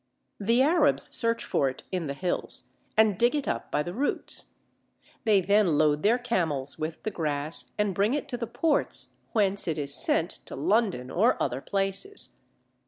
The Arabs search for it in the hills, and dig it up by the roots; they then load their camels with the grass and bring it to the ports whence it is sent to London or other places.